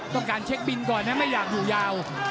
การเช็คบินก่อนนะไม่อยากอยู่ยาว